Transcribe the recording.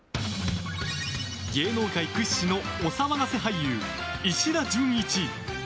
芸能界屈指のお騒がせ俳優石田純一。